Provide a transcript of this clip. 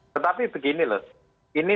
tetapi begini loh ini